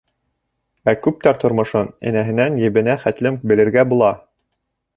Ә күптәр тормошон энәһенән ебенә хәтлем белергә була.